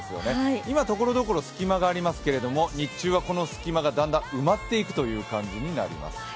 今ところどころ、隙間がありますけど、日中はこの隙間がだんだん埋まっていくという形になります。